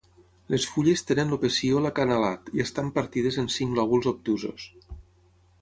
Les fulles tenen el pecíol acanalat i estan partides en cinc lòbuls obtusos.